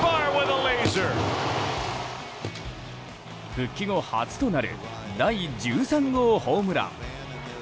復帰後初となる第１３号ホームラン。